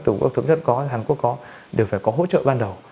trung quốc có rồi các tổ chức có hàn quốc có đều phải có hỗ trợ ban đầu